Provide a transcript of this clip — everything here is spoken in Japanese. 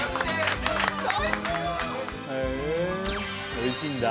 おいしいんだ。